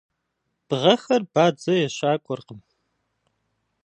Бгъэхэр бадзэ ещакӏуэркъым.